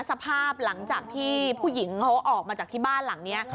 สภาพหลังจากที่ผู้หญิงเขาออกมาจากที่บ้านหลังนี้